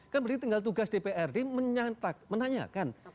kan berarti tinggal tugas dprd menanyakan